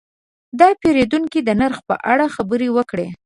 دا پیرودونکی د نرخ په اړه خبرې وکړې.